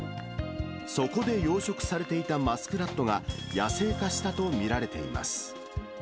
そこで養殖されていたマスクラットが、野生化したと見られています。